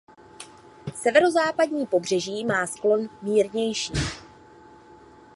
Severozápadní pobřeží má sklon mírnější.